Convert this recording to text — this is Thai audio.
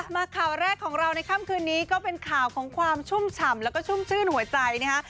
มาข่าวแรกของเราในค่ำคืนนี้ก็เป็นข่าวของความชุ่มฉ่ำแล้วก็ชุ่มชื่นหัวใจนะฮะ